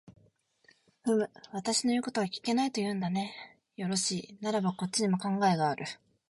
ふむ、私の言うことが聞けないと言うんだね。よろしい、ならばこっちにも考えがある。